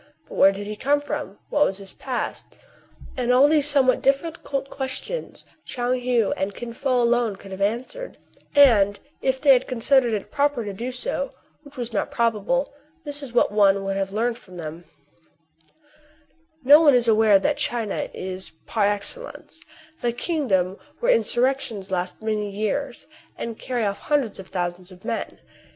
But where did he come from } What was his past } All these somewhat difficult ques tions Tchoung Heou and Kin Fo alone could have answered ; and if they had considered it proper to do so, which was not probable, this is what one would have learned from them :— No one is unaware that China, is, par excellencey the kingdom where insurrections last many years, and carry off hundreds of thousands of men.